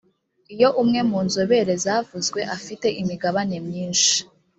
iyo umwe mu nzobere zavuzwe afite imigabane myinshi